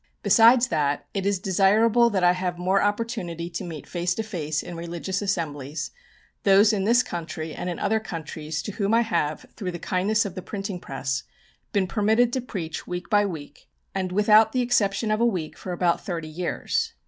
Besides that, it is desirable that I have more opportunity to meet face to face, in religious assemblies, those in this country and in other countries to whom I have, through the kindness of the printing press, been permitted to preach week by week, and without the exception of a week, for about thirty years.